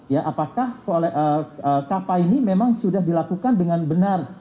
ya apakah kapal ini memang sudah dilakukan dengan benar